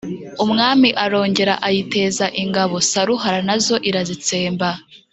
Umwami arongera ayiteza ingabo, Saruhara na zo irazitsemba,